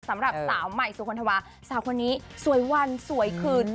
สำหรับสาวใหม่สุคลธวาสาวคนนี้สวยวันสวยคืน